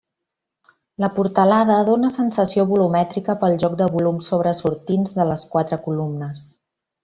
La portalada dóna sensació volumètrica pel joc de volums sobresortints de les quatre columnes.